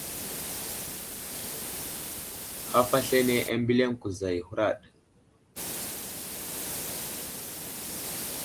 Haf aslane ambeliŋ kuza i huraɗ.